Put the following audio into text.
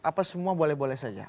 apa semua boleh boleh saja